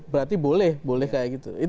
berarti boleh kayak gitu